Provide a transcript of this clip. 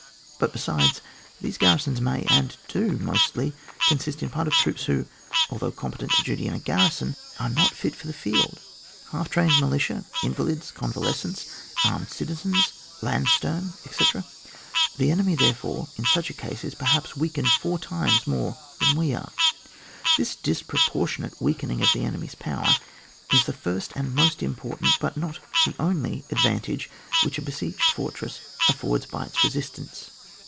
But, besides, these garrisons may and do mostly con sist in part of troops, who, although com petent to duty in a garrison, are not fit for the field — half trained militia, in valids, convalescents, armed citizens, landsturm, etc. The enemy, therefore, in such case is perhaps weakened four times more than we are. This disproportionate weakening of the enemy's power is the first and most important but not the only advantage which a besieged fortress a^ords by its resistance.